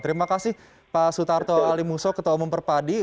terima kasih pak sutarto ali muso ketua umum perpadi